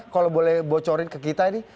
kalau boleh bocorin ke kita nih